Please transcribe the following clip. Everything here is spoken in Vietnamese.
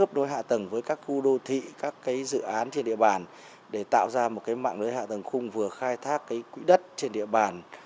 khớp đối hạ tầng với các khu đô thị các cái dự án trên địa bàn để tạo ra một cái mạng đối hạ tầng khung vừa khai thác cái quỹ đất trên địa bàn